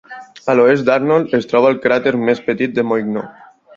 A l'oest d'Arnold es troba el cràter més petit de Moigno.